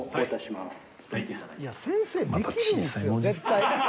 先生できるんですよ絶対。